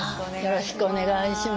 よろしくお願いします。